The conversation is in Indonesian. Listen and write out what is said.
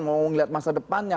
mau ngeliat masa depannya